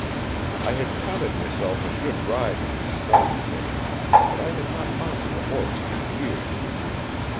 I had counted myself a good rider in former days, but I had not mounted a horse for years.